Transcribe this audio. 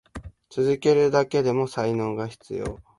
続けるだけでも才能が必要。